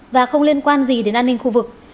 và không liên quan gì đến an ninh khu vực